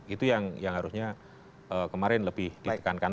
itu yang harusnya kemarin lebih ditekankan